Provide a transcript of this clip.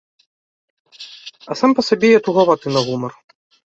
А сам па сабе я тугаваты на гумар.